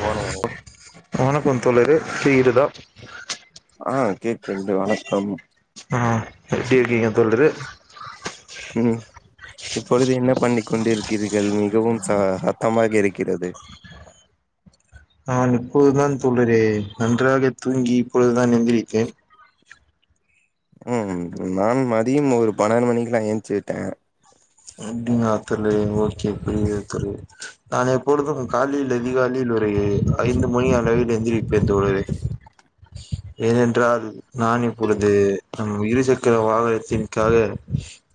போன வாரோ வணக்கம் தோழரே வீடு தா ஆ கேக்கிறது வணக்கம் ஆ எப்டி இருக்கீங்க தோழரே ம் இப்பொழுது என்ன பண்ணிக் கொண்டிருக்கிறீர்கள் மிகவும் ச சத்தமாக இருக்கிறது நான் இப்பொழுதுதான் தோழரே நன்றாக தூங்கி இப்பொழுதுதான் எந்திருக்கேன் ம் நான் மதியம் ஒரு பன்னென்டூ மணிக்லா ஏஞ்ச்விட்டே அப்டிங்ளா தோழரே ஓக்கே புரியுது புரியுது நான் எப்பொழுதும் காலில் அதிகாலில் ஒரு ஐந்து மணி அளவில் எந்திரிப்பே தோழரே ஏனென்றால் நான் இப்பொழுது ம் இருசக்கர வாகனத்திற்காக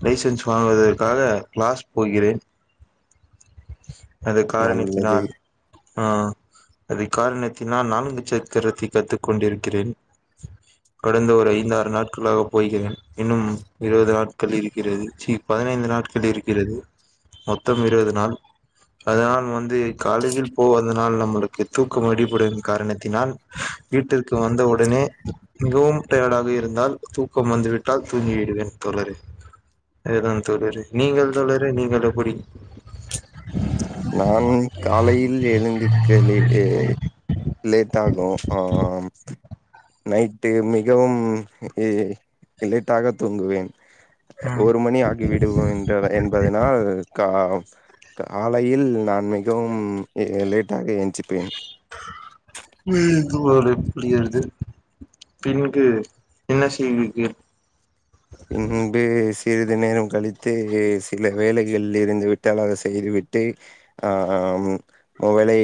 லைசன்ஸ் வாங்குவதற் க்காக கிளாஸ் போகிறேன் அந்த நல்லது காரணத்தினால் ஆ அது காரணத்தினால் நான்கு சக்கரத்தை கத்துக் கொண்டிருக்கிறேன் கடந்த ஒரு ஐந்தாறு நாட்களாக போகிறேன் இன்னும் இருபது நாட்கள் இருக்கிறது சி பதினைந்து நாட்கள் இருக்கிறது மொத்தம் இருவது நாள் அதனால் வந்து காலயில் போவத னால் நம்மளுக்கு தூக்கம் அடிபடும் காரணத்தினால் வீட்டிற்கு வந்தவுடனே மிகவும் டயடாக இருந்தால் தூக்கம் வந்துவிட்டால் தூங்கி விடுவேன் தோழரே அதே தான் தோழரே நீங்கள் தோழரே நீங்கள் எப்படி நானுமே காலையில் எழுந்துக்க லேட்டே லேட் ஆகும் ஆ ஆ ம் நைட்டு மிகவும் இ லேட்டாக தூங்குவேன் ம் ஒரு மணி ஆகி விடுவோ என்ற என்பதனால் கா காலையில் நான் மிகவும் எ லேட்டாக எஞ்சிப்பேன் ம் ஒரு புரியருது பின்கு என்ன செய்வீங்க பின்பு சிறிது நேரம் கழித்து சில வேலைகள் இருந்து விட்டால் அத செய்துவிட்டு ஆ ஆ ம் மொபைலை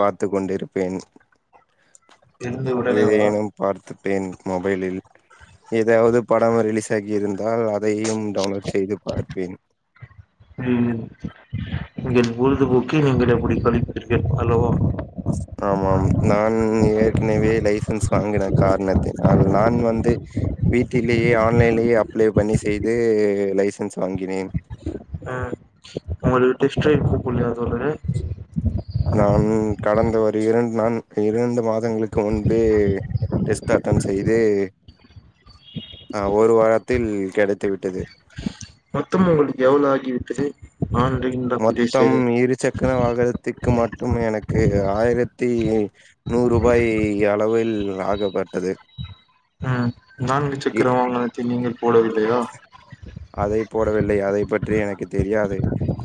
பாத்து கொண்டுருப்பேன் எழுந்த உடனேவா ஏதேனும் பார்த்துப்பேன் மொபைலில் ஏதாவது படம் ரிலீஸ் ஆகி இருந்தால் அதையும் டவுன்லோட் செய்து பார்ப்பேன் ம் நீங்கள் பொழுதுபோக்கு நீங்கள் எப்டி கழிப்பீர்கள் அல்லவா சொல்லவும் ஆமாம் நான் ஏற்கனவே லைசன்ஸ் வாங்கின காரணத்தினால் நான் வந்து வீட்டிலேயே ஆன்லைன்லேயே அப்ளை பண்ணி செய்து லைசன்ஸ் வாங்கினேன் ஆ உங்கள் டெஸ்ட் டிரைவ்க்கு கூப்படலையா தோழரே நான் கடந்த ஒரு இரண்டு நான் இரண்டு மாதங்களுக்கு முன்பே டெஸ்ட் அன்டன் செய்து அ ஒரு வாரத்தில் கெடைத்து விட்டது மொத்தமும் உங்களுக்கு எவ்ளோ ஆகிவிட்டது ஆன்டிங் மொத்தம் இரு சக்கர வாகனத்துக்கு மட்டும் எனக்கு ஆயிரத்தி நூறு ரூபாய் அளவில் ஆகப்பட்டது ம் நான்கு இ சக்கர வாகனத்தில் நீங்கள் போடவில்லையா அதை போடவில்லை அதை பற்றி எனக்கு தெரியாது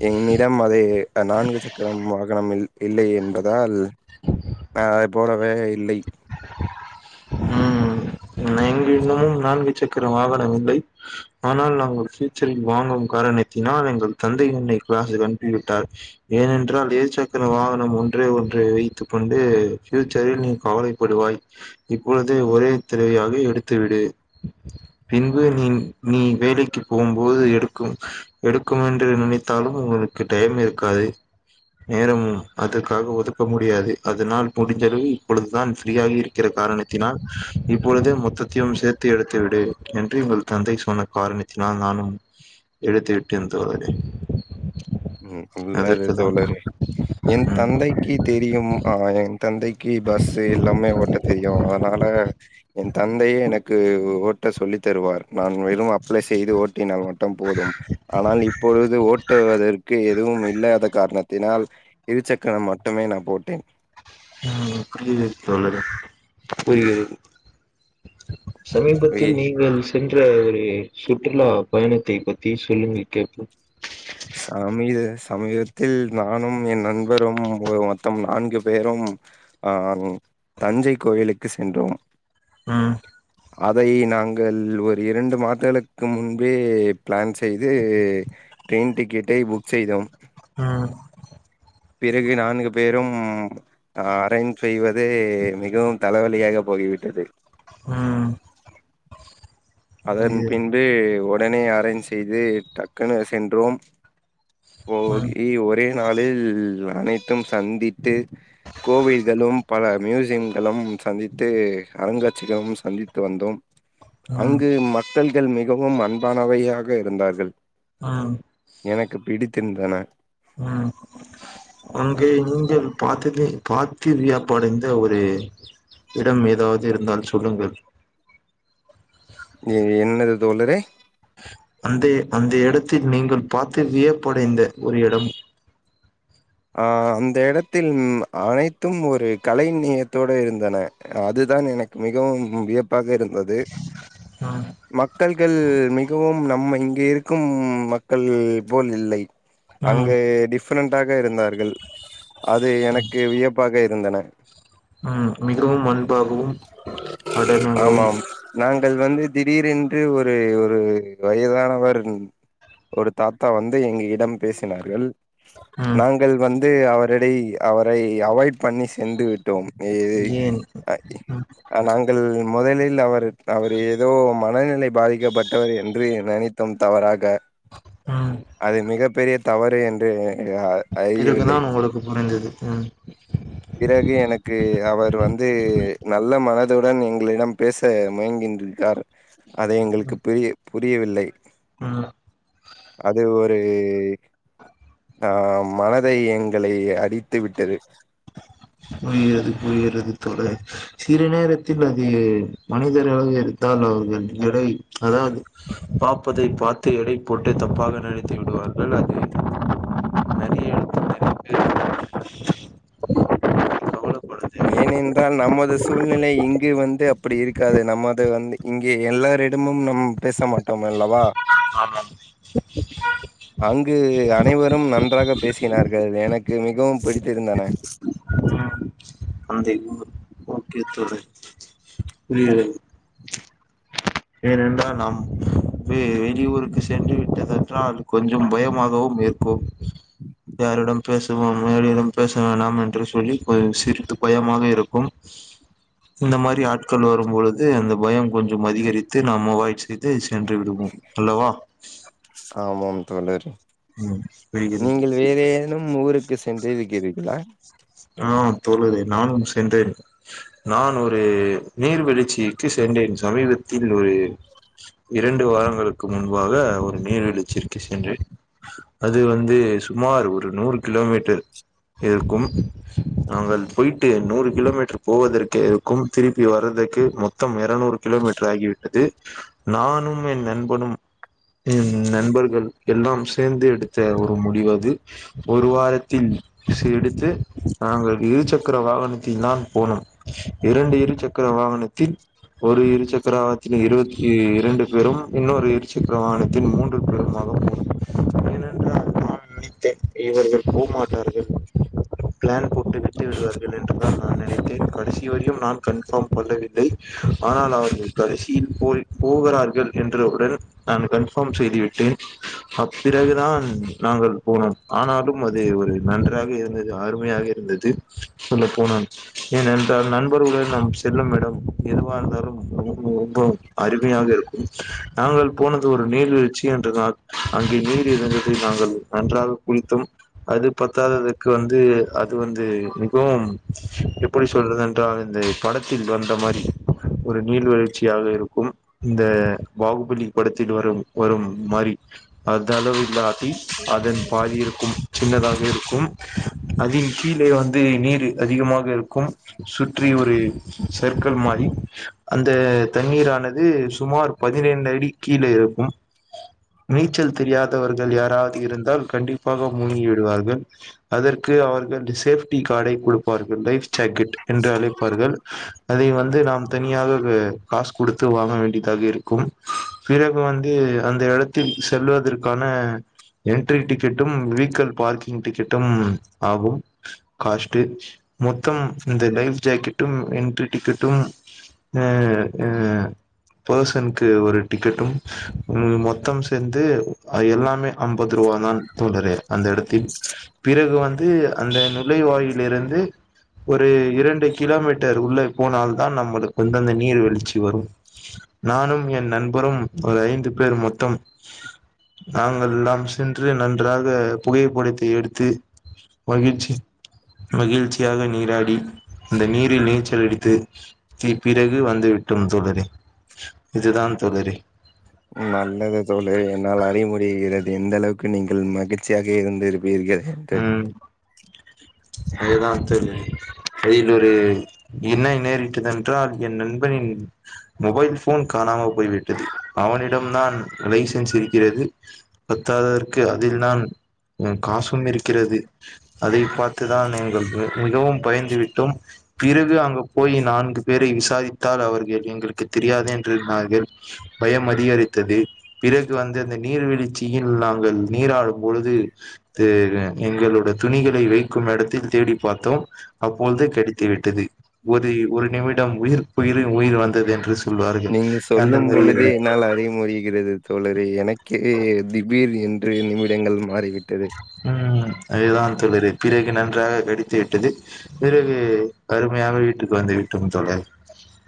என்னிடம் அதை நான்கு சக்கரம் வாகனம் இல் இல்லை என்பதால் அ அதை போடவே இல்லை என்னிடமும் நான்கு சக்கர வாகனம் இல்லை ஆனால் நாங்கள் ஃபியூச்சரில் வாங்கும் காரணத்தினால் எங்கள் தந்தை என்னை கிளாசில் அனுப்பிவிட்டார் ஏனென்றால் இருசக்கர வாகனம் ஒன்றே ஒன்றே வைத்துக் கொண்டு ஃபியூச்சரில் நீ கவலை படுவாய் இப்பொழுது ஒரே தடவையாக எடுத்துவிடு பின்பு நீ நீ வேலைக்கு போம்போது எடுக்கும் எடுக்கும் என்று நினைத்தாலும் உங்களுக்கு டைம் இருக்காது நேரமும் அதற்காக ஒதுக்க முடியாது அதனால் முடிஞ்சளவு இப்பொழுதுதான் ஃப்ரீயாக இருக்கிறது காரணத்தினால் இப்பொழுதே மொத்தத்தையும் சேர்த்து எடுத்து விடு என்று எங்கள் தந்தை சொன்ன காரணத் தினால் நானும் எடுத்து விட்டேன் தோழரே ம் உள்ளது அதற்குதான் தோழரே என் ம் தந்தைக்கு தெரியும் ஆ என் தந்தைக்கு பஸ்ஸு எல்லாமே ஓட்ட தெரியும் அதனால என் தந்தையே எனக்கு ஓட்ட சொல்லி தருவார் நான் வெறும் அப் அப்ளை செய்து ஓட்டினால் மட்டும் போதும் ஆனால் இப்பொழுது ஓட்டுவதற் க்கு எதுவும் இல்லாத காரணத்தினால் இரு சக்கரம் மட்டுமே நான் போட்டேன் ம் புரிகிறது தோழரே புரிகிறது வே சமீபத்தில் நீங்கள் சென்ற ஒரு சுற்றுலா பயணத்தை பத்தி சொல்லுங்க கேட்போம் சமீத சமீபத்தில் நானும் என் நண்பரும் மொத்தம் நான்கு பேரும் ஆ தஞ்சை கோயிலுக்கு சென்றோம் ம் அதை நாங்கள் ஒரு இரண்டு மாதங்களுக்கு முன்பே பிளான் செய்து ட்ரெயின் டிக்கெட்டை புக் செய்தோம் அ பிறகு நான்கு பேரும் அ அரேஞ் செய்வதே மிகவும் தலைவலியாக போகிவிட்டது ம் அதன் ஐயோ பின்பு உடனே அரேஞ்ச் செய்து டக்குனு சென்றோம் ம் போகி ஒரே நாளில் அனைத்தும் சந்தித்து கோவில்களும் பல மியூசியம்களும் சந்தித்து அருங்காட்சிகளும் சந்தித்து வந்தோம் ம் அங்கு மக்கள்கள் மிகவும் அன்பானவையாக இருந்தார்கள் ம் எனக்கு பிடித்திருந்தன ம் அங்க‌ நீங்கள் பாத்தது பாத்து வியாப்படைந்த ஒரு இடம் ஏதாவது இருந்தால் சொல்லுங்கள் ஏ என்னது தோழரே அந்த அந்த எடத்தில் நீங்கள் பார்த்து வியப்படைந்த ஒரு எடம் ஆ அந்த இடத்தில் அனைத்தும் ஒரு கலை நியத்தோடு இருந்தன அதுதான் எனக் கு மிகவும் வியப்பாக இருந்தது ம் மக்கள்கள் மிகவும் நம்ம இங்கே இருக்கும் மக்கள் போல் இல்லை ம் அங்கு டிஃப்ரெண்ட்டாக இருந்தார்கள் அது எனக்கு வியப்பாக இருந்தன ம் மிகவும் அன்பாகவும் அடனாகவும் ஆமாம் நாங்கள் வந்து திடீரென்று ஒரு ஒரு வயதானவர் ஒரு தாத்தா வந்து எங்க இடம் பேசினார்கள் ம் நாங்கள் வந்து அவரிடை அவரை அவாய்ட் பண்ணி சென்று விட் டோம் ஏ ஏன் அ இ ம் நாங்கள் முதலில் அவர் அவர் ஏதோ மனநிலை பாதிக்கப்பட்டவர் என்று நனைத் தோம் தவராக ம் அது மிக பெரிய தவறு என்று அ அறியவில்லை. பிறகுதான் உங்களுக்கு புரிஞ்சது ம் பிறகு எனக்கு அவர் வந்து நல்ல மனதுடன் எங்களிடம் பேச முயங்கின்றிருக்கார் அதை ம் எங்களுக்கு பிரிய புரியவில்லை ம் அது ஒரு ஆ மனதை எங்களை அடித்து விட்டது புரிகிறது புரிகிறது தோழரே சில நேரத்தில் அது மனிதராக இருக் [unintelligible] எடை அதாவது பாப்பது பார்த்து எடை போட்டு தப்பாக நெனைத்து விடுவார்கள் அது நிறைய இடத்தில் கவலப் ஏன் என்றால் நமது சூழ்நிலை இங்கு வந்து அப்டி இருக்காது நம்ம அது வந்து இங்கே எல்லாரிடமும் நம் பேச மாட்டோம் அல்லவா ஆமாம் அங்கு அனைவரும் நன்றாக பேசினார்கள் எனக்கு மிகவும் பிடித்திருந்தன ஆந்தை ஓகே தோழர் புரிகிறது ஏனென்றா நம் வெ வெளியூருக்கு சென்று விட்டதன்றால் கொஞ்சம் பயமாகவும் இருக்கும் யாரிடம் பேசுவோம் யாரிடம் பேச வேண்டாம் என்று சொல்லி சிரித்து பயமாக இருக்கும் இந்த மாரி ஆட்கள் வரும்பொழுது அந்த பயம் கொஞ்சம் அதிகரி த்து நாம் அவாய்ட் செய்து சென்று விடுவோம் அல்லவா ஆமாம் தோழர் ம் புரிகிறது இன்னும் ஊருக்கு சென்று இருக்கிறீர்களா ஆ தோழரே நானும் சென்றேன் நான் ஒரு நீர்வீழ்ச்சிக்கு சென்றேன் சமீபத்தில் ஒரு இரண்டு வாரங்களுக்கு முன்பாக ஒரு நீர்வீழ்ச்சிற்கு சென்று அது வந்து சுமார் ஒரு நூறு கிலோமீட்டர் இருக்கும் நாங்கள் போயிட்டு நூறு கிலோமீட்டர் போவதற்கே கும் திருப்பி வர்றதுக்கு மொ த்தம் இருநூறு கிலோமீட்டர் ஆகிவிட்டது நானும் என் நண்பனும் ம் நண்பர்கள் எல்லாம் சேர்ந்து எடுத்த ஒரு முடிவு அது ஒரு வாரத்தில் டிஸ்சு எடுத்து நாங்கள் இரு சக்கர வாகனத்தில் தான் போனோம் இரண்டு இரு சக்கர வாகனத்தில் ஒரு இருசக்கர வாகனத்தில் இருபத்தி இரண்டு பேரும் இன்னொரு இருசக்கர வாகனத்தில் மூன்று [inaudible] ஏனென்றால் நான் நினைத்தேன் இவர்கள் போமாட்டார்கள் பிளான் போட்டு விட்டு விடுவார்கள் என்றுதான் நான் நினைத்தேன் கடை சி வரையும் நான் கன்ஃபார்ம் பன்னவில்லை ஆனால் அவர்கள் கடைசியில் போ போகறார்கள் என்றவுடன் நான் கன்ஃபார்ம் செய்துவிட்டேன் அ பிறகுதான் நாங்கள் போனோம் ஆனாலும் அது ஒரு நன்றாக இருந்தது அரு மையாக இருந்தது சொல்ல போனால் ஏனென்றால் நண்பர்வுடன் நாம் செல்லும் இடம் எதுவாக இருந்தாலும் ரொம்போ அருமையாக இருக்கும் நாங்கள் போனது ஒரு நீர்வீழ்ச்சி என்றதால் அங்கே நீர் இருந்ததை நாங்கள் நன்றாக குளித்தோம் அது பத்தாததுக்கு வந்து அது வந்து மிகவும் எப்படி சொல்றது என்றால் இந்த படத்தில் வந்த மாரி ஒரு நீர்வீழ்ச்சியாக இருக்கும் இந்த பாகுபலி படத்தில் வரும் வரும் மாரி அது அளவு இல்லாட்டி அதன் பாதி இருக்கும் சின்னதாக இருக்கும் அதின் கீழே வந்து நீர் அதிகமாக இருக்கும் சு ற்றி ஒரு சர்க்கல் மாரி அந்த தண்ணீரானது சுமார் பதினைந்து அடி கீழே இருக்கும் நீச்சல் தெரியாதவர்கள் யாராவது இருந்தால் கண்டிப்பாக முழ்கிடுவார்கள் அதற்கு அவர்கள் சேப்டி கார்டை கொடுப்பார்கள் லைஃப் ஜாக்கெட் என்று அழைப்பார்கள் அதை வந்து நாம் தனியாக காசு குடுத்து வாங்க வேண்டியதாக இருக்கும் பிறகு வந்து அந்த இடத்தில் செல்வதற்கான என்ட்ரி டிக்கெட்டும் வெகிக்கள் பார்க்கிங் டிக்கெட்டும் ஆகும் காஸ்ட் மொத்தம் இந்த [unintelligible] ஜக்கெட்டும் என்ட்ரி டிக்கெட்டும் அ அ பர்சன்க்கு ஒரு டிக்கெட்டும் ம் மொத்தம் சேர்ந்து எல்லாமே ஐம்பது ரூவா தான் தோழரே அந்த எடத்தில் பிறகு வந் து அந்த நுழைவாயிலிருந்து ஒரு இரண்டு கிலோமீட்டர் உள்ள போனால் தான் நம்மளு இந்தந்த நீர்வீழ்ச்சி வரு நானும் என் நண்பரும் ஒரு ஐந்து பேர் மொத்தம் நாங்கள்லாம் சென்று நன்றாக புகைப்படத்தை எடுத்து மகிழ்ச்சி மகிழ்ச்சியாக நீராடி அந்த நீரில் நீச்சல் அடித்து து பிறகு வந்து விட்டோம் தோழரே இதுதான் தோழரே நல்லது தோழரே என்னால் அறிய முடிகிறது எந்த அளவுக்கு நீங்கள் மகிழ்ச்சியாக இருந்திருப் பீர்கள் என்று அதுதான் தோழரே அதில் ஒரு இன்னல் நேரிட்டதன் ட்ரால் என் நண்பனின் மொபைல் போன் காணாம போய் விட்டது அவனிடம் நான் லைசன்ஸ் இருக்கிறது பத்தாததற்கு அதில் நான் ம் காசும் இருக்கிறது அதை பார்த்துதான் எங்கள் மி மிகவும் பயந்து விட்டோம் பிறகு அங்கு போய் நான்கு பேரை விசாரித்தால் அவர்கள் எங்களுக்கு தெரியாது என்றுனார்கள் பயம் அதிகரித்தது பிறகு வந்து அந்த நீர்வீழுச்சியில் நாங்கள் நீராடும் பொழுது [unintelligible] எங்களோட துணிகளை வைக்கும் எடத்தில் தேடி பாத்தோம் அப்பொழுது கெடைத்துவிட்டது ஒரு ஒரு நிமிடம் உயிர் போயிரு உயிர் வந்தது என்று சொல்வார்கள் நீங்க அந்த சொல்லும் பொழுதே மாரி என்னால் அறிய முடிகிறது தோழரே எனக்கே திபீர் என்று நிமிடங்கள் மாறிவிட்டது ம் அதுதான் தோழரே பிறகு நன்றாக கடித்து விட்டது பிறகு அருமையாக வீட்டுக்கு வந்து விட்டோம் தோழரே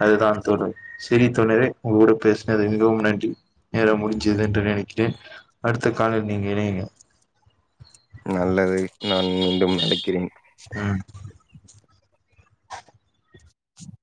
அதுதான் தோழர் செரி தோழரே உங்க கூட பேசுனது மிகவும் நன்றி நேரம் முடிஞ்சது என்று நெனைக்கிறேன் அடுத்த காலில் நீங்க இணையுங்க நல்லது நான் மீண்டும் அழைக்கிறேன் ம்